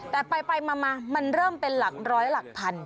แต่ไปมามันเริ่มเป็นหลักร้อยหลักพัน